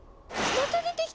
また出てきた！